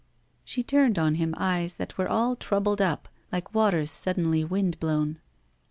She turned on him eyes that were all troubled up, like waters suddenly wind blown.